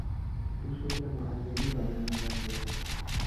او شغل معلمی را در نظر گرفت.